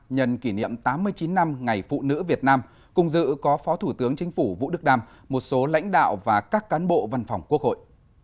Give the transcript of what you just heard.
nhân kỷ niệm tám mươi chín năm ngày phụ nữ việt nam cùng dự có phó thủ tướng chính phủ vũ đức đam một số lãnh đạo và các cán bộ văn phòng quốc hội